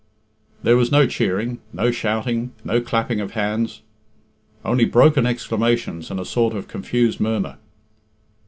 There was no cheering, no shouting, no clapping of hands. Only broken exclamations and a sort of confused murmur.